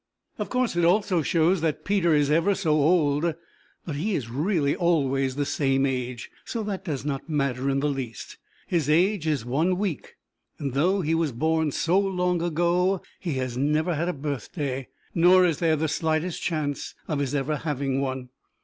Of course, it also shows that Peter is ever so old, but he is really always the same age, so that does not matter in the least. His age is one week, and though he was born so long ago he has never had a birthday, nor is there the slightest chance of his ever having one.